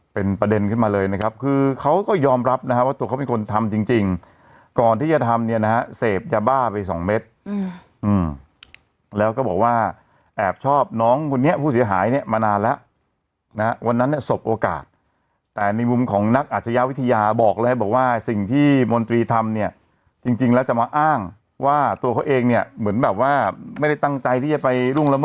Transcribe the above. เป็นประเด็นขึ้นมาเลยนะครับคือเขาก็ยอมรับนะฮะว่าตัวเขาเป็นคนทำจริงก่อนที่จะทำเนี่ยนะฮะเสพยาบ้าไปสองเม็ดแล้วก็บอกว่าแอบชอบน้องคนนี้ผู้เสียหายเนี่ยมานานแล้วนะวันนั้นเนี่ยสบโอกาสแต่ในมุมของนักอาชญาวิทยาบอกแล้วบอกว่าสิ่งที่มนตรีทำเนี่ยจริงแล้วจะมาอ้างว่าตัวเขาเองเนี่ยเหมือนแบบว่าไม่ได้ตั้งใจที่จะไปรุ่งระเ